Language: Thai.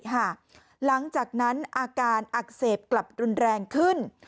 หลังจากนั้นอาการอักเสบกลับรุนแรงขึ้น